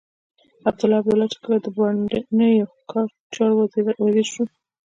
عبدالله عبدالله چې کله د باندنيو چارو وزير و.